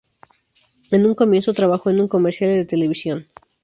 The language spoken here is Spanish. En un comienzo trabajó en comerciales de televisión.